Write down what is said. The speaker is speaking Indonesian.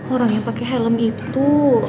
orang yang pakai helm itu